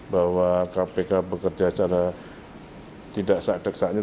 bahwa kpk bekerja secara tidak sakdek saat ini